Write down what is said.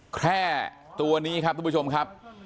แค่ตัวนี้ครับทุกผู้ชมครับ